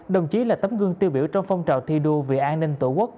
đồng chí là tấm gương tiêu biểu trong phong trào thi đua vì an ninh tổ quốc